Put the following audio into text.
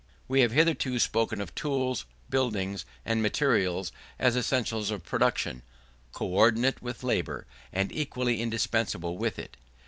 We have hitherto spoken of tools, buildings, and materials, as essentials of production, co ordinate with labour, and equally indispensable with it.